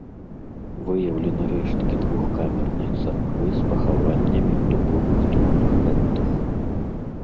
Выяўлены рэшткі двухкамернай царквы з пахаваннямі ў дубовых трунах-калодах.